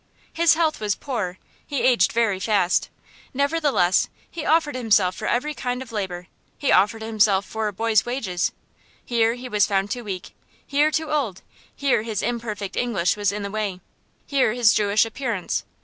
His health was poor; he aged very fast. Nevertheless he offered himself for every kind of labor; he offered himself for a boy's wages. Here he was found too weak, here too old; here his imperfect English was in the way, here his Jewish appearance.